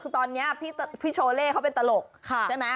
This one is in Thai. ตอนนี้พี่โชเลเขาเป็นตโรคใช่มั้ย